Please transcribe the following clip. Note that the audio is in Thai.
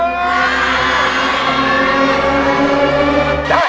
ทั้งในเรื่องของการทำงานเคยทำนานแล้วเกิดปัญหาน้อย